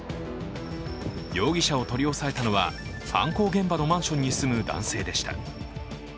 容疑者を取り押さえたのは犯行現場のマンションに住む男性じた。